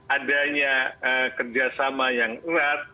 adanya kerjasama yang erat